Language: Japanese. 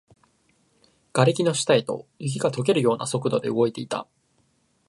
瓦礫の下へと、雪が溶けるような速度で動いていた